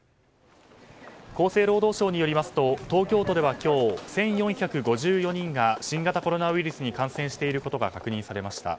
厚生労働省によりますとと東京都では今日１４５４人が新型コロナウイルスに感染していることが確認されました。